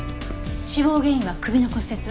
死亡原因は首の骨折。